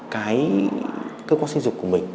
cái cơ quan sinh dục của mình